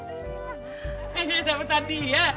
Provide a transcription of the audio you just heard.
ini dapet tadi ya